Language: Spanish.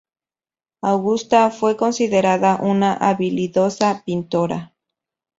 Augusta fue considerada una habilidosa pintora.